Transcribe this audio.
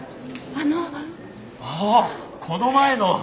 ああこの前の！